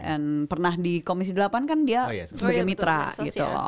and pernah di komisi delapan kan dia sebagai mitra gitu